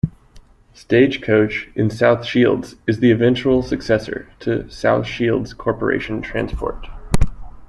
Stagecoach in South Shields is the eventual successor to South Shields Corporation Transport.